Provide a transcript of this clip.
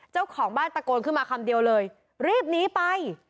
เจ้าของบ้านตะโกนขึ้นมาคำเดียวเลยรีบหนีไป